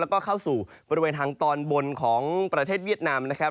แล้วก็เข้าสู่บริเวณทางตอนบนของประเทศเวียดนามนะครับ